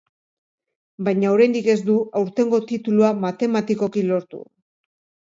Baina oraindik ez du aurtengo titulua matematikoki lortu.